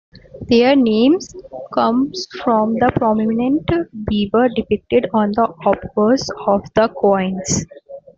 Their name comes from the prominent beaver depicted on the obverse of the coins.